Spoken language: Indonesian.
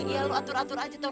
iya lo atur atur aja ton